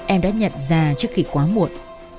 em đã nhận ra trước khi quá muộn